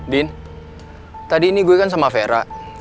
din tadi ini gue kan sama vera